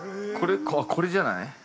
◆これじゃない？